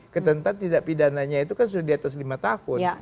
ketentan tidak pidananya itu kan sudah diatas lima tahun